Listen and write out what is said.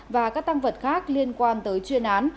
và các tăng vật khác liên quan tới chuyên án